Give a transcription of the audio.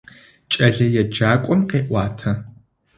Кӏэлэеджакӏом къеӏуатэ.